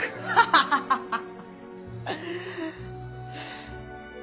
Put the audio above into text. ハハハ！ハァ。